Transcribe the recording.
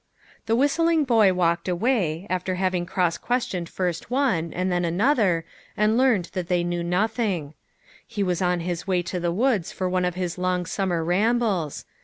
The whistling boy walked away, after having cross questioned first one, and then another, and 78 LITTLE FISHERS : AND THEIR NETS. learned that they knew nothing. He was on his way to the woods for one of his long summer rambles.